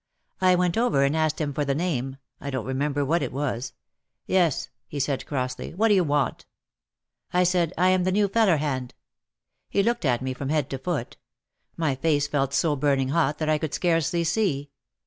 I went over and asked him for the name (I don't remember what it was). "Yes," he said crossly. "What do you want?" I said, "I am the new feller hand." He looked at me from head to foot. My face felt so burning hot that I could scarcely see.